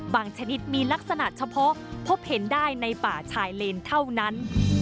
ชนิดมีลักษณะเฉพาะพบเห็นได้ในป่าชายเลนเท่านั้น